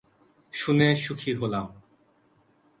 শুনে সুখী হলাম।